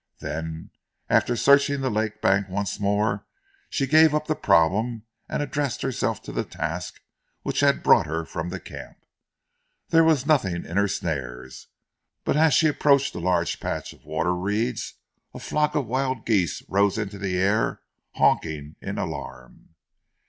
Then, after searching the lake bank once more, she gave up the problem and addressed herself to the task which had brought her from the camp. There was nothing in her snares, but as she approached a large patch of water reeds, a flock of wild geese rose into the air, "honking" in alarm.